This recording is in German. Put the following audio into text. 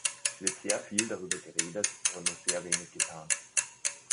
Es wird sehr viel darüber geredet, aber nur sehr wenig getan.